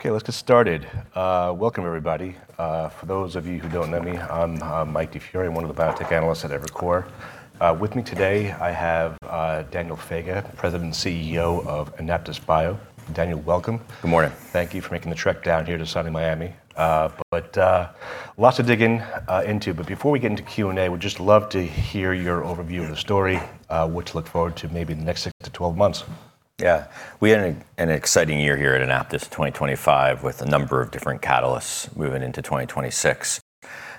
Okay, let's get started. Welcome, everybody. For those of you who don't know me, I'm Mike DeFuria, one of the biotech analysts at Evercore. With me today, I have Daniel Faga, President and CEO of AnaptysBio. Daniel, welcome. Good morning. Thank you for making the trek down here to sunny Miami. But lots to dig into. But before we get into Q&A, we'd just love to hear your overview of the story, which we look forward to maybe in the next 6-12 months. Yeah, we had an exciting year here at AnaptysBio in 2025 with a number of different catalysts moving into 2026.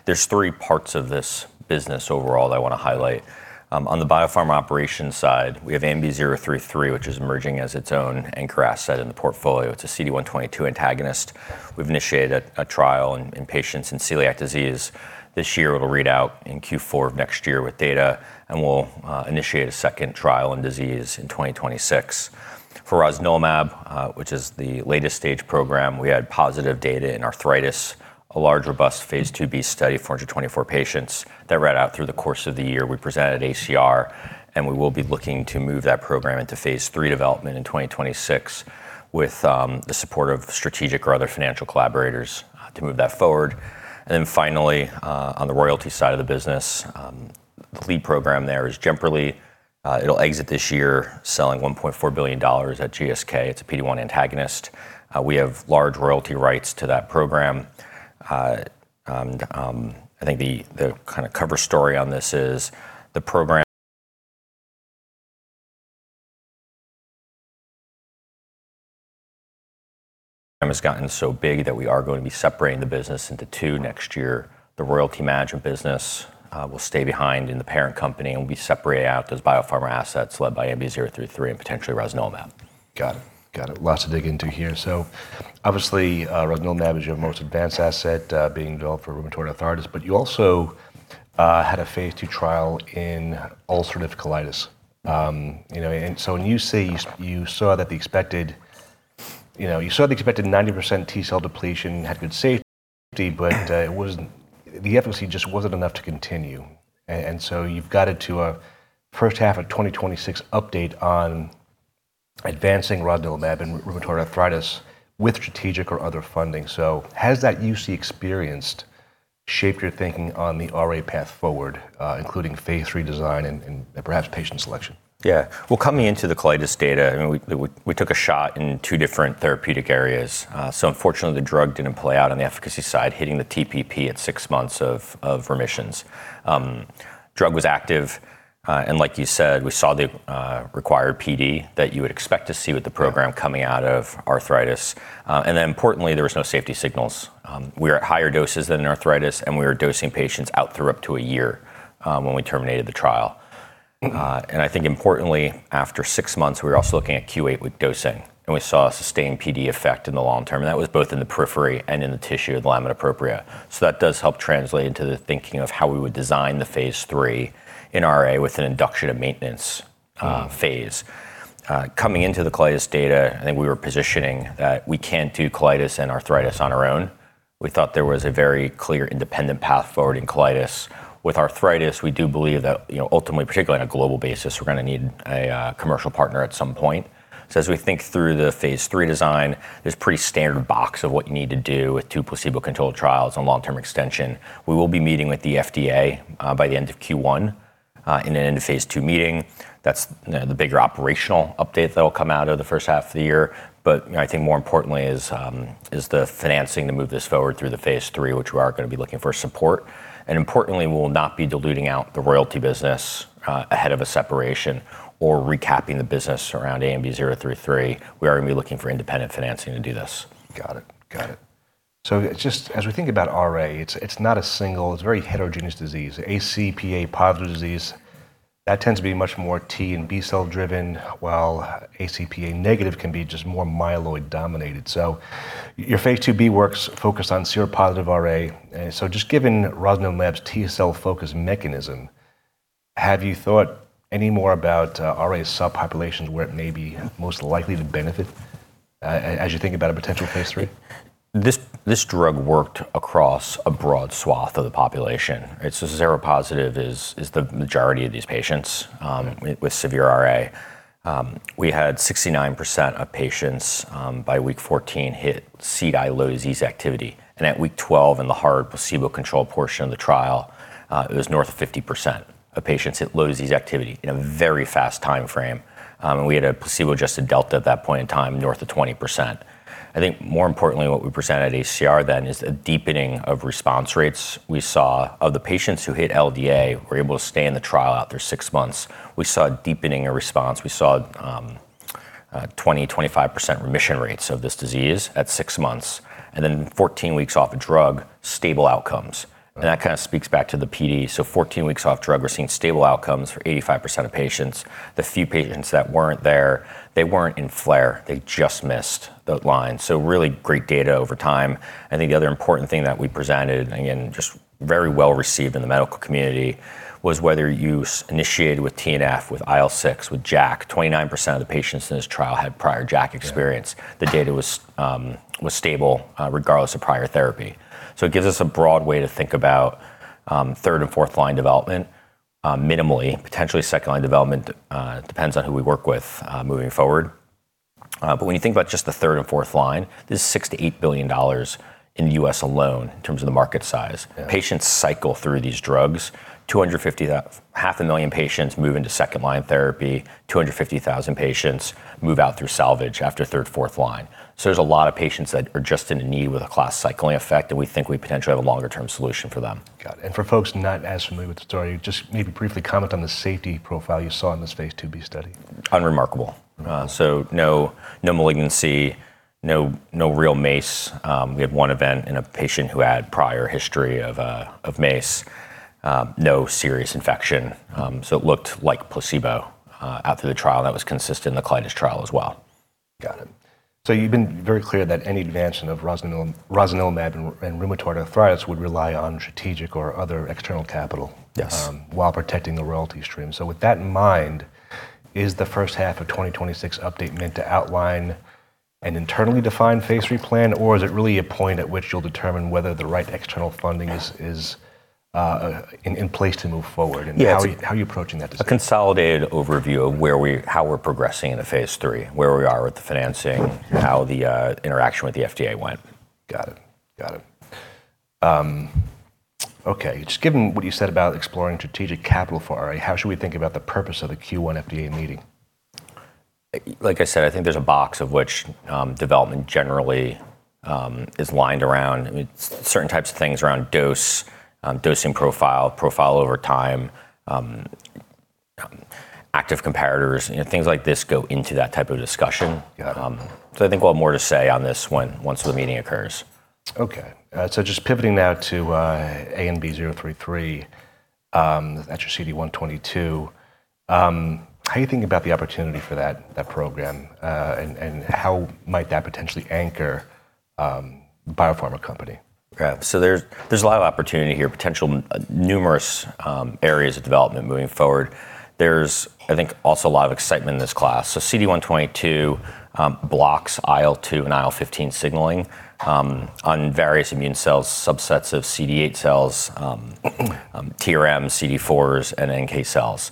There are three parts of this business overall that I want to highlight. On the biopharma operations side, we have ANB033, which is emerging as its own anchor asset in the portfolio. It's a CD122 antagonist. We've initiated a trial in patients with celiac disease this year. It'll read out in Q4 of next year with data, and we'll initiate a second trial in EOE in 2026. For Rosnilimab, which is the latest stage program, we had positive data in arthritis, a large robust phase 2b study, 424 patients that read out through the course of the year. We presented ACR, and we will be looking to move that program into phase three development in 2026 with the support of strategic or other financial collaborators to move that forward. And then finally, on the royalty side of the business, the lead program there is Jemperli. It'll exit this year, selling $1.4 billion at GSK. It's a PD-1 antagonist. We have large royalty rights to that program. I think the kind of cover story on this is the program has gotten so big that we are going to be separating the business into two next year. The royalty management business will stay behind in the parent company, and we'll be separating out those biopharma assets led by ANB033 and potentially Rosnilimab. Got it. Got it. Lots to dig into here. So obviously, Rosnilimab is your most advanced asset being developed for rheumatoid arthritis, but you also had a phase 2 trial in ulcerative colitis. So when you say you saw that the expected 90% T-cell depletion had good safety, but the efficacy just wasn't enough to continue. And so you've got it to a first half of 2026 update on advancing Rosnilimab in rheumatoid arthritis with strategic or other funding. So has that UC experience shaped your thinking on the RA path forward, including phase three design and perhaps patient selection? Yeah. Well, coming into the colitis data, we took a shot in two different therapeutic areas. So unfortunately, the drug didn't play out on the efficacy side, hitting the TPP at six months of remissions. The drug was active. And like you said, we saw the required PD that you would expect to see with the program coming out of arthritis. And then importantly, there were no safety signals. We were at higher doses than in arthritis, and we were dosing patients out through up to a year when we terminated the trial. And I think importantly, after six months, we were also looking at Q8 with dosing, and we saw a sustained PD effect in the long term. And that was both in the periphery and in the tissue of the lamina propria. So that does help translate into the thinking of how we would design the phase three in RA with an induction of maintenance phase. Coming into the colitis data, I think we were positioning that we can't do colitis and arthritis on our own. We thought there was a very clear independent path forward in colitis. With arthritis, we do believe that ultimately, particularly on a global basis, we're going to need a commercial partner at some point. So as we think through the phase 3 design, there's a pretty standard box of what you need to do with two placebo-controlled trials and long-term extension. We will be meeting with the FDA by the end of Q1 in an end-to-phase two meeting. That's the bigger operational update that will come out of the first half of the year. But I think more importantly is the financing to move this forward through the phase 3, which we are going to be looking for support. And importantly, we will not be diluting out the royalty business ahead of a separation or recapping the business around ANB033. We are going to be looking for independent financing to do this. Got it. Got it. So just as we think about RA, it's not a single, it's a very heterogeneous disease. ACPA positive disease, that tends to be much more T and B cell driven, while ACPA negative can be just more myeloid dominated. So your phase 2b works focused on seropositive RA. So just given Rosnilimab's T-cell focus mechanism, have you thought any more about RA subpopulations where it may be most likely to benefit as you think about a potential phase three? This drug worked across a broad swath of the population. So seropositive is the majority of these patients with severe RA. We had 69% of patients by week 14 hit CDAI low disease activity. And at week 12, in the hard placebo-controlled portion of the trial, it was north of 50% of patients hit low disease activity in a very fast time frame. And we had a placebo-adjusted delta at that point in time, north of 20%. I think more importantly, what we presented at ACR then is a deepening of response rates. We saw of the patients who hit LDA, we were able to stay in the trial out there six months. We saw a deepening of response. We saw 20%, 25% remission rates of this disease at six months. And then 14 weeks off a drug, stable outcomes. And that kind of speaks back to the PD. So 14 weeks off drug, we're seeing stable outcomes for 85% of patients. The few patients that weren't there, they weren't in flare. They just missed the line. So really great data over time. I think the other important thing that we presented, again, just very well received in the medical community, was whether you initiated with TNF, with IL-6, with JAK, 29% of the patients in this trial had prior JAK experience. The data was stable regardless of prior therapy. So it gives us a broad way to think about third and fourth line development minimally. Potentially second line development depends on who we work with moving forward. But when you think about just the third and fourth line, this is $6-$8 billion in the US alone in terms of the market size. Patients cycle through these drugs. 500,000 patients move into second line therapy. 250,000 patients move out through salvage after third, fourth line, so there's a lot of patients that are just in a need with a class cycling effect, and we think we potentially have a longer-term solution for them. Got it. And for folks not as familiar with the story, just maybe briefly comment on the safety profile you saw in this phase 2b study. Unremarkable. So no malignancy, no real MACE. We had one event in a patient who had prior history of MACE. No serious infection. So it looked like placebo out through the trial that was consistent in the colitis trial as well. Got it. So you've been very clear that any advancement of Rosnilimab and rheumatoid arthritis would rely on strategic or other external capital while protecting the royalty stream. So with that in mind, is the first half of 2026 update meant to outline an internally defined phase three plan, or is it really a point at which you'll determine whether the right external funding is in place to move forward? And how are you approaching that decision? A consolidated overview of how we're progressing in the phase three, where we are with the financing, how the interaction with the FDA went. Got it. Okay. Just given what you said about exploring strategic capital for RA, how should we think about the purpose of the Q1 FDA meeting? Like I said, I think there's a box within which development generally is lined around. Certain types of things around dose, dosing profile, profile over time, active comparators, things like this go into that type of discussion. So I think we'll have more to say on this once the meeting occurs. Okay, so just pivoting now to ANB033 at your CD122. How are you thinking about the opportunity for that program, and how might that potentially anchor the biopharma company? So there's a lot of opportunity here, potential numerous areas of development moving forward. There's, I think, also a lot of excitement in this class. So CD122 blocks IL-2 and IL-15 signaling on various immune cells, subsets of CD8 cells, TRMs, CD4s, and NK cells.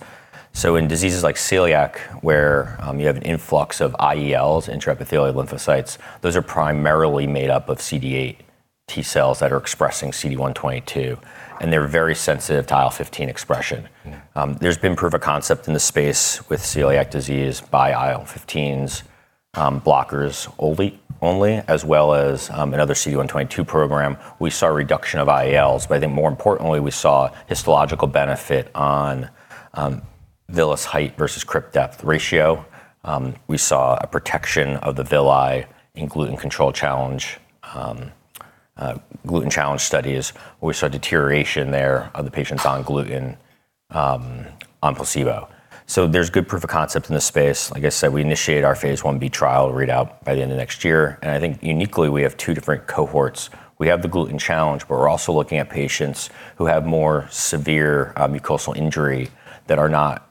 So in diseases like celiac, where you have an influx of IELs, intraepithelial lymphocytes, those are primarily made up of CD8 T-cells that are expressing CD122, and they're very sensitive to IL-15 expression. There's been proof of concept in the space with celiac disease by IL-15s blockers only, as well as another CD122 program. We saw a reduction of IELs, but I think more importantly, we saw histological benefit on villus height versus crypt depth ratio. We saw a protection of the villi in gluten control challenge studies where we saw deterioration there of the patients on gluten on placebo. There's good proof of concept in this space. Like I said, we initiate our phase 1B trial readout by the end of next year. I think uniquely, we have two different cohorts. We have the gluten challenge, but we're also looking at patients who have more severe mucosal injury that are not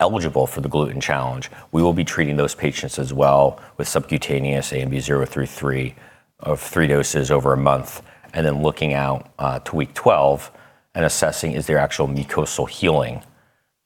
eligible for the gluten challenge. We will be treating those patients as well with subcutaneous ANB033 of three doses over a month, and then looking out to week 12 and assessing is there actual mucosal healing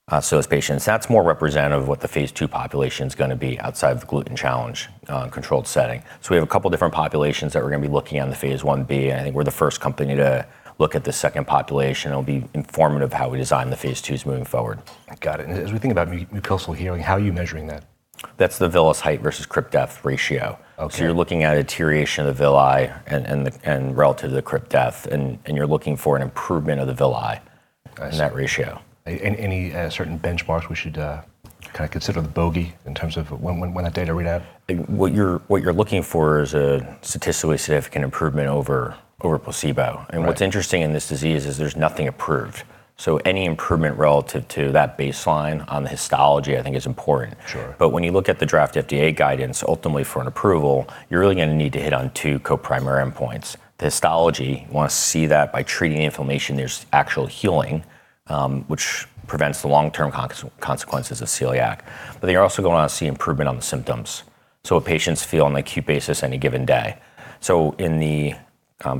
for those patients. That's more representative of what the phase two population is going to be outside of the gluten challenge controlled setting. We have a couple of different populations that we're going to be looking at in the phase 1B. I think we're the first company to look at the second population, and we'll be informative of how we design the phase 2s moving forward. Got it. And as we think about mucosal healing, how are you measuring that? That's the villus height to crypt depth ratio. So you're looking at a deterioration of the villi relative to the crypt depth, and you're looking for an improvement of the villi in that ratio. Any certain benchmarks we should kind of consider the bogey in terms of when that data readout? What you're looking for is a statistically significant improvement over placebo. And what's interesting in this disease is there's nothing approved. So any improvement relative to that baseline on the histology, I think, is important. But when you look at the draft FDA guidance, ultimately for an approval, you're really going to need to hit on two co-primary endpoints. The histology, you want to see that by treating the inflammation, there's actual healing, which prevents the long-term consequences of celiac. But then you're also going to want to see improvement on the symptoms. So what patients feel on an acute basis any given day. So in the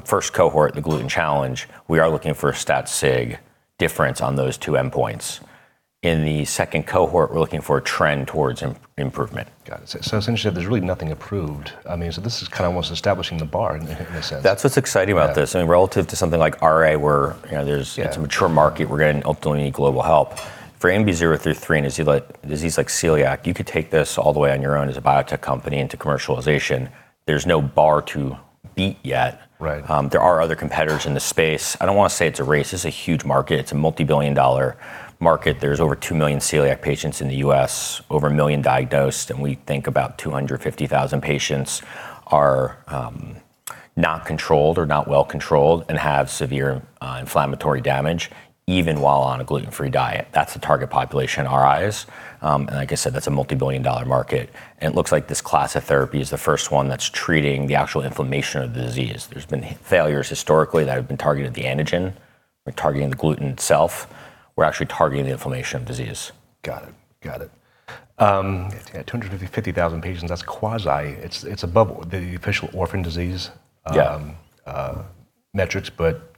first cohort, the gluten challenge, we are looking for a stat-sig difference on those two endpoints. In the second cohort, we're looking for a trend towards improvement. Got it. So it's interesting that there's really nothing approved. I mean, so this is kind of almost establishing the bar in a sense. That's what's exciting about this. I mean, relative to something like RA, where it's a mature market, we're going to ultimately need global help. For ANB033 and diseases like celiac, you could take this all the way on your own as a biotech company into commercialization. There's no bar to beat yet. There are other competitors in the space. I don't want to say it's a race. This is a huge market. It's a multi-billion-dollar market. There's over two million celiac patients in the U.S., over a million diagnosed, and we think about 250,000 patients are not controlled or not well controlled and have severe inflammatory damage even while on a gluten-free diet. That's the target population in our eyes. And like I said, that's a multi-billion-dollar market. And it looks like this class of therapy is the first one that's treating the actual inflammation of the disease. There's been failures historically that have been targeted at the antigen. We're targeting the gluten itself. We're actually targeting the inflammation of disease. Got it. Got it. 250,000 patients, that's quasi. It's above the official orphan disease metrics, but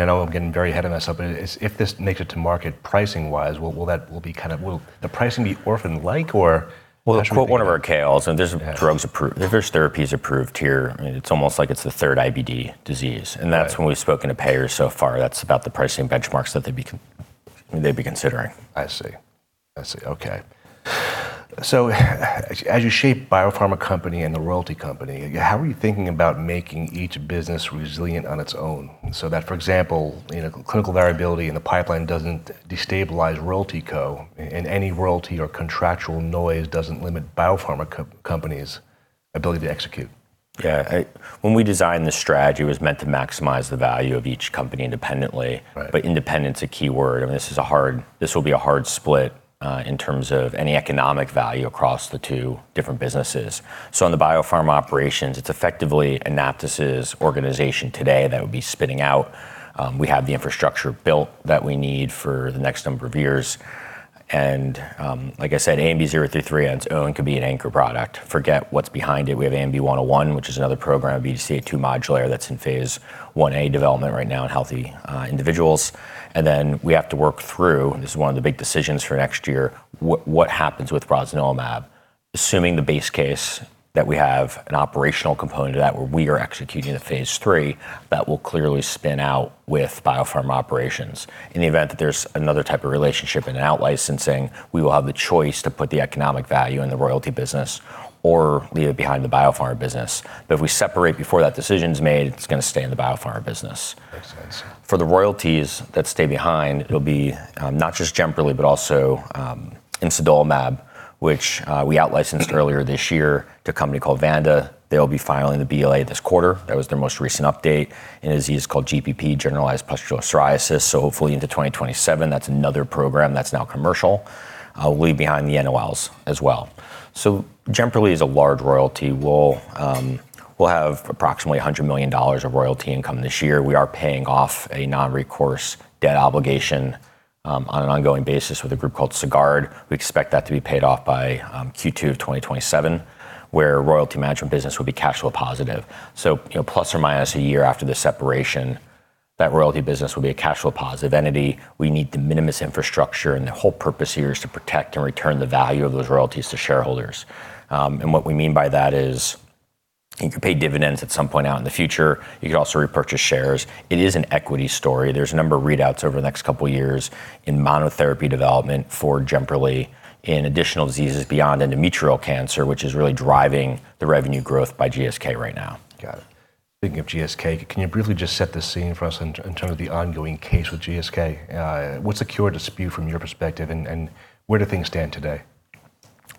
I know I'm getting very ahead of myself, but if this makes it to market pricing-wise, will the pricing be orphan-like or? That's one of our KLs. There's drugs approved. There's therapies approved here. I mean, it's almost like it's the third IBD disease, and that's when we've spoken to payers so far. That's about the pricing benchmarks that they'd be considering. I see. Okay. So as you shape biopharma company and the royalty company, how are you thinking about making each business resilient on its own so that, for example, clinical variability in the pipeline doesn't destabilize royalty co and any royalty or contractual noise doesn't limit biopharma company's ability to execute? Yeah. When we designed this strategy, it was meant to maximize the value of each company independently, but independence, a key word. I mean, this will be a hard split in terms of any economic value across the two different businesses. So on the biopharma operations, it's effectively AnaptysBio's organization today that would be spinning out. We have the infrastructure built that we need for the next number of years. And like I said, ANB033 on its own could be an anchor product. Forget what's behind it. We have ANB101, which is another program, BDCA2 modulator that's in phase 1A development right now in healthy individuals. And then we have to work through this. This is one of the big decisions for next year: what happens with Rosnilimab, assuming the base case that we have an operational component of that where we are executing a phase three that will clearly spin out with biopharma operations. In the event that there's another type of relationship in an out-licensing, we will have the choice to put the economic value in the royalty business or leave it behind the biopharma business. But if we separate before that decision's made, it's going to stay in the biopharma business. For the royalties that stay behind, it'll be not just Jemperli, but also Imsidolimab, which we out-licensed earlier this year to a company called Vanda. They'll be filing the BLA this quarter. That was their most recent update. And a disease called GPP, generalized pustular psoriasis. Hopefully into 2027, that's another program that's now commercial. We'll leave behind the NOLs as well. Jemperli is a large royalty. We'll have approximately $100 million of royalty income this year. We are paying off a non-recourse debt obligation on an ongoing basis with a group called Sagard. We expect that to be paid off by Q2 of 2027, where royalty management business will be cash flow positive. Plus or minus a year after the separation, that royalty business will be a cash flow positive entity. We need to minimize infrastructure, and the whole purpose here is to protect and return the value of those royalties to shareholders. What we mean by that is you could pay dividends at some point out in the future. You could also repurchase shares. It is an equity story. There's a number of readouts over the next couple of years in monotherapy development for Jemperli in additional diseases beyond endometrial cancer, which is really driving the revenue growth by GSK right now. Got it. Speaking of GSK, can you briefly just set the scene for us in terms of the ongoing case with GSK? What's the CRE dispute from your perspective, and where do things stand today?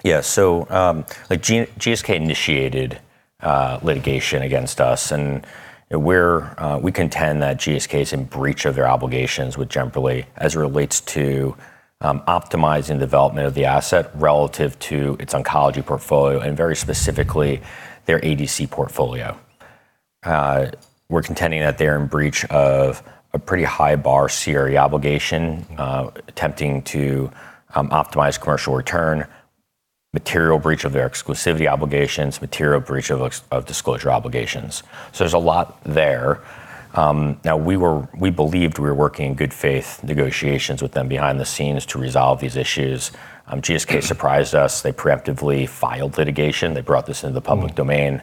Yeah. So, GSK initiated litigation against us, and we contend that GSK is in breach of their obligations with Jemperli as it relates to optimizing the development of the asset relative to its oncology portfolio and very specifically their ADC portfolio. We're contending that they're in breach of a pretty high bar CRE obligation, attempting to optimize commercial return, material breach of their exclusivity obligations, material breach of disclosure obligations, so there's a lot there. Now, we believed we were working in good faith negotiations with them behind the scenes to resolve these issues. GSK surprised us. They preemptively filed litigation. They brought this into the public domain.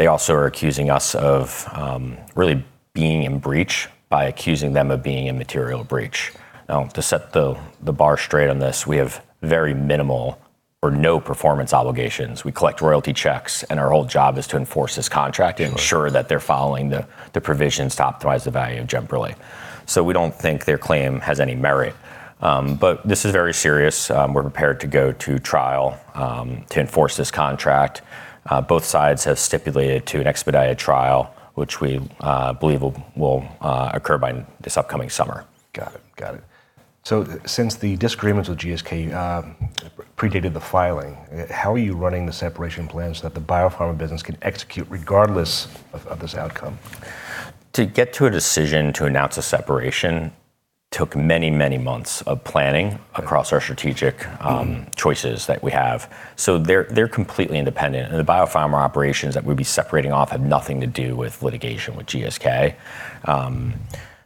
They also are accusing us of really being in breach by accusing them of being in material breach. Now, to set the bar straight on this, we have very minimal or no performance obligations. We collect royalty checks, and our whole job is to enforce this contract and ensure that they're following the provisions to optimize the value of Jemperli. So we don't think their claim has any merit. But this is very serious. We're prepared to go to trial to enforce this contract. Both sides have stipulated to an expedited trial, which we believe will occur by this upcoming summer. Got it. Got it. So since the disagreements with GSK predated the filing, how are you running the separation plans so that the biopharma business can execute regardless of this outcome? To get to a decision to announce a separation took many, many months of planning across our strategic choices that we have. So they're completely independent. And the biopharma operations that we'd be separating off have nothing to do with litigation with GSK.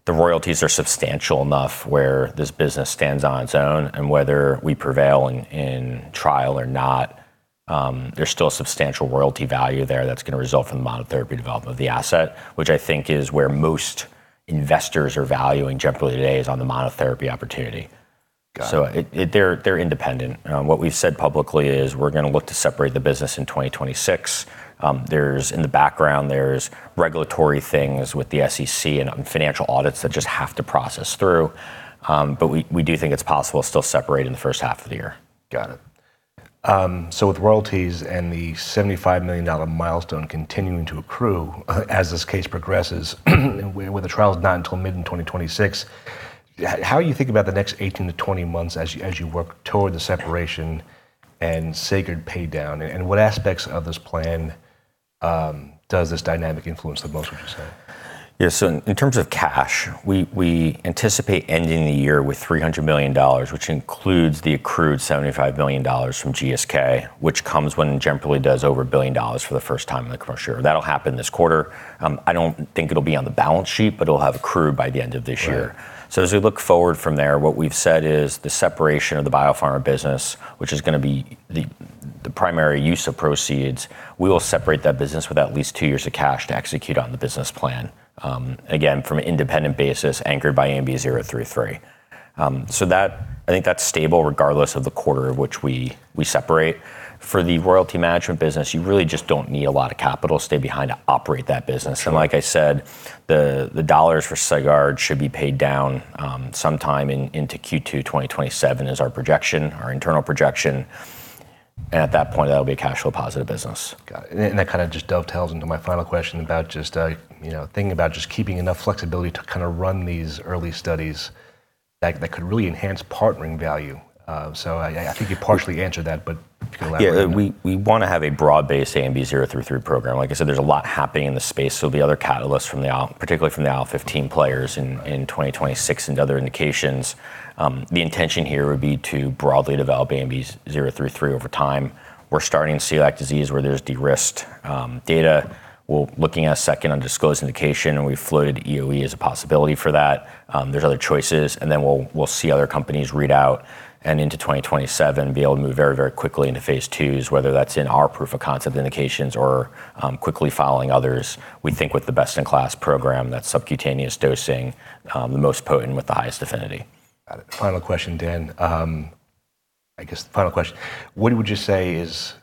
The royalties are substantial enough where this business stands on its own, and whether we prevail in trial or not, there's still substantial royalty value there that's going to result from the monotherapy development of the asset, which I think is where most investors are valuing Jemperli today is on the monotherapy opportunity. So they're independent. What we've said publicly is we're going to look to separate the business in 2026. In the background, there's regulatory things with the SEC and financial audits that just have to process through. But we do think it's possible to still separate in the first half of the year. Got it. So with royalties and the $75 million milestone continuing to accrue as this case progresses, with the trials not until mid-2026, how do you think about the next 18-20 months as you work toward the separation and Sagard pay down? And what aspects of this plan does this dynamic influence the most, would you say? Yeah. So in terms of cash, we anticipate ending the year with $300 million, which includes the accrued $75 million from GSK, which comes when Jemperli does over $1 billion for the first time in the commercial year. That'll happen this quarter. I don't think it'll be on the balance sheet, but it'll have accrued by the end of this year. So as we look forward from there, what we've said is the separation of the biopharma business, which is going to be the primary use of proceeds. We will separate that business with at least two years of cash to execute on the business plan, again, from an independent basis anchored by ANB033. So I think that's stable regardless of the quarter of which we separate. For the royalty management business, you really just don't need a lot of capital to stay behind to operate that business. Like I said, the dollars for Sagard should be paid down sometime into Q2 2027 is our projection, our internal projection. At that point, that'll be a cash flow positive business. Got it. And that kind of just dovetails into my final question about just thinking about just keeping enough flexibility to kind of run these early studies that could really enhance partnering value. So I think you partially answered that, but if you could elaborate. Yeah. We want to have a broad-based ANB033 program. Like I said, there's a lot happening in the space. So the other catalysts, particularly from the IL-15 players in 2026 and other indications, the intention here would be to broadly develop ANB033 over time. We're starting to see like disease where there's de-risked data. We're looking at a second undisclosed indication, and we've floated EOE as a possibility for that. There's other choices. And then we'll see other companies read out and into 2027 be able to move very, very quickly into phase twos, whether that's in our proof of concept indications or quickly following others. We think with the best-in-class program, that's subcutaneous dosing, the most potent with the highest affinity. Got it. Final question, Dan. I guess the final question. What would you say is,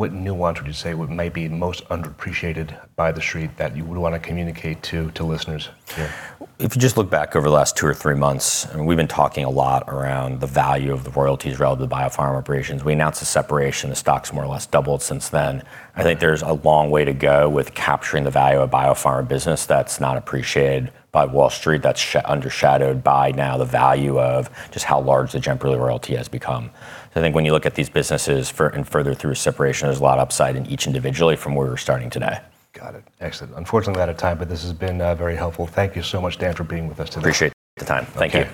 what nuance would you say would maybe most underappreciated by the street that you would want to communicate to listeners here? If you just look back over the last two or three months, and we've been talking a lot around the value of the royalties relative to biopharma operations. We announced the separation. The stock's more or less doubled since then. I think there's a long way to go with capturing the value of a biopharma business that's not appreciated by Wall Street, that's undershadowed by now the value of just how large the Jemperli royalty has become. So I think when you look at these businesses and further through separation, there's a lot of upside in each individually from where we're starting today. Got it. Excellent. Unfortunately, out of time, but this has been very helpful. Thank you so much, Dan, for being with us today. Appreciate the time. Thank you.